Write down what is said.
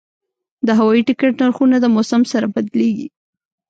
د هوایي ټکټ نرخونه د موسم سره بدلېږي.